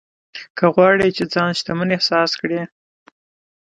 که غواړې چې ځان شتمن احساس کړې.